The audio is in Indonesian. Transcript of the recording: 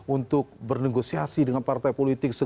untuk bernegosiasi dengan partai politik